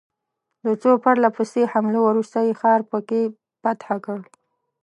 له څو پرله پسې حملو وروسته یې ښار په کې فتح کړ.